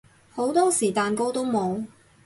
好多時蛋糕都冇